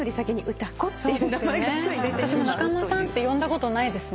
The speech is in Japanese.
私も「仲間さん」って呼んだことないですね。